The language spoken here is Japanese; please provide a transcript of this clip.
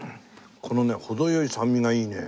このね程良い酸味がいいね。